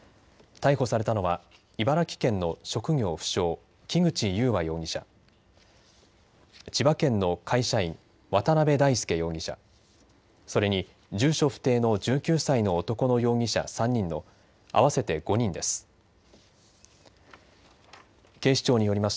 逮捕されたのは茨城県の職業不詳、木口悠和容疑者、千葉県の会社員、渡辺大将容疑者、それに住所不定の１９歳の男の容疑者３人の合わせて５人です。